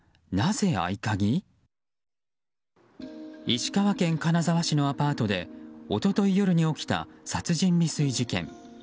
石川県金沢市のアパートで一昨日夜に起きた殺人未遂事件。